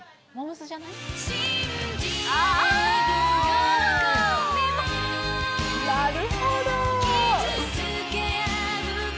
なるほど。